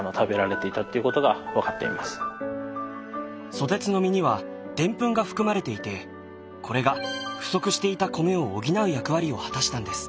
ソテツの実にはデンプンが含まれていてこれが不足していた米を補う役割を果たしたんです。